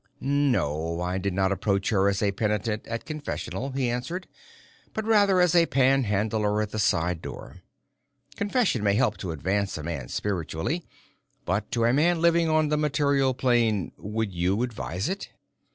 "No, I did not approach her as a penitent at confessional," he answered, "but rather as a panhandler at the side door. Confession may help to advance a man spiritually, but to a man living on the material plane, would you advise it?"